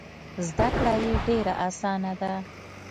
زده کړه یې ډېره اسانه ده.